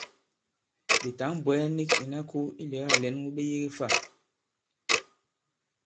Ɓè tǎŋ-bwɛ̀ɛ nik ìna kō ilɛ̀gâ lɛ̌n wu ɓe yege fâ?